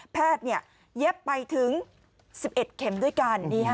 แพทย์เนี่ยเย็บไปถึง๑๑เข็มด้วยกันนี่ค่ะ